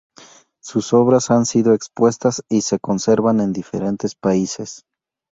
Sus obras han sido expuestas y se conservan en diferentes países.